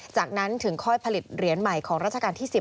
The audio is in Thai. จากนั้นถึงค่อยผลิตเหรียญใหม่ของราชการที่๑๐